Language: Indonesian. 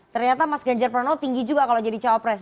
ternyata mas ganjar pranowo tinggi juga kalau jadi cawapres